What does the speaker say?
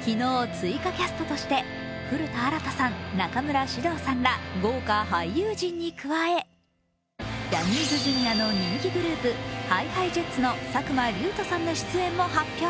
昨日追加キャストとして古田新太さん、中村獅童さんら豪華俳優陣に加えジャニーズＪｒ．の人気グループ、ＨｉＨｉＪｅｔｓの作間龍斗さんの出演も発表。